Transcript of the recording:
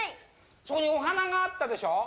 そこにお花があったでしょ。